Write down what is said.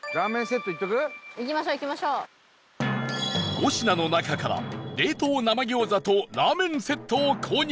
５品の中から冷凍生ギョウザとラーメンセットを購入